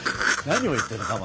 何を言ってるの？